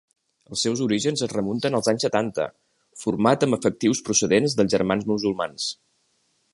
Els seus orígens es remunten als anys setanta, format amb efectius procedents dels Germans Musulmans.